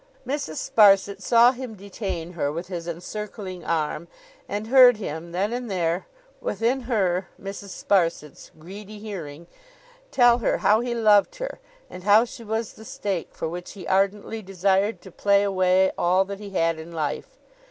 Mrs. Sparsit saw him detain her with his encircling arm, and heard him then and there, within her (Mrs. Sparsit's) greedy hearing, tell her how he loved her, and how she was the stake for which he ardently desired to play away all that he had in life.